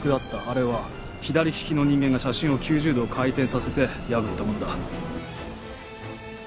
あれは左利きの人間が写真を９０度回転させて破ったものだ。